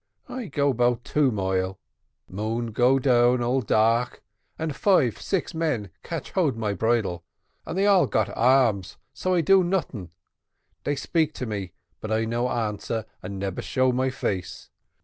I go 'bout two mile moon go down, all dark, and five six men catch hold my bridle, and they all got arms, so I do nothing they speak to me, but I no answer, and neber show my face.